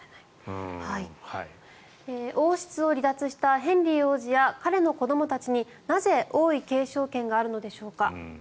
王室を離脱したヘンリー王子や彼の子どもたちになぜ皇位継承権があるのでしょうか。